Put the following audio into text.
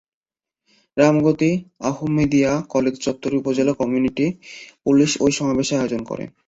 Ramgati Ahmadiyya college চত্বরে উপজেলা community police ওই সমাবেশের আয়োজন করে।